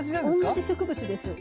同じ植物です。